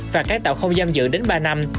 và cái tạo không giam giữ đến ba năm